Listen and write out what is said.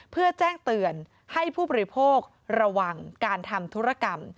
เพื่อแจ้งเตือนให้ผู้บริโภคระวังการทำธุรกรรม